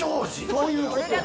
そういうことや。